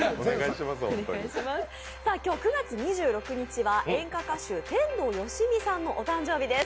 今日９月２６日は演歌歌手天童よしみさんのお誕生日です。